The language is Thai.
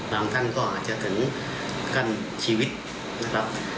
ท่านก็อาจจะถึงขั้นชีวิตนะครับ